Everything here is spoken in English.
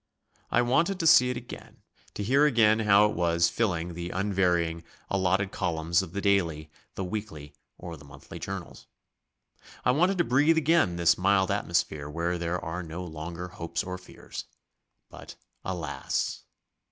I wanted to see it again, to hear again how it was filling the unvarying, allotted columns of the daily, the weekly, or the monthly journals. I wanted to breathe again this mild atmosphere where there are no longer hopes or fears. But, alas!...